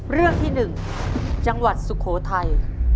เรื่องที่๑จังหวัดสุโขทัย